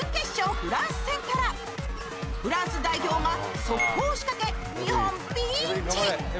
フランス戦からフランス代表が速攻を仕掛け日本ピンチ！